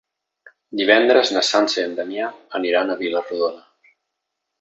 Divendres na Sança i en Damià aniran a Vila-rodona.